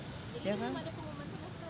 jadi belum ada pengumuman sama sekali